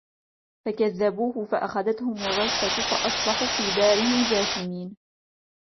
فَكَذَّبُوهُ فَأَخَذَتْهُمُ الرَّجْفَةُ فَأَصْبَحُوا فِي دَارِهِمْ جَاثِمِينَ